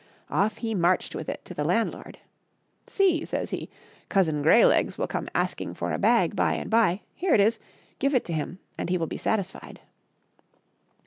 Off he marched with it to the landlord. " See," says he, " Cousin Greylegs will come asking for a bag by and by ; here it is, give it to him and he will be satisfied."